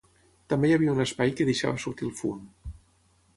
També hi havia un espai que deixava sortir el fum.